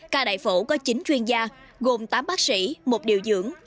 ca đại phổ có chín chuyên gia gồm tám bác sĩ một điều dưỡng